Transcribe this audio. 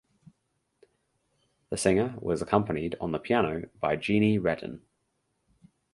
The singer was accompanied on the piano by Jeannie Reddin.